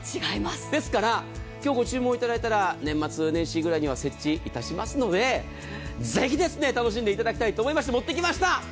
ですから今日ご注文いただいたら年末年始ぐらいには設置いたしますのでぜひ、楽しんでいただきたいと思いまして持ってきました。